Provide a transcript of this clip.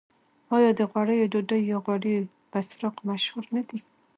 آیا د غوړیو ډوډۍ یا غوړي بسراق مشهور نه دي؟